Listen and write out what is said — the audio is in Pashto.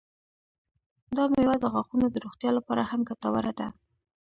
دا میوه د غاښونو د روغتیا لپاره هم ګټوره ده.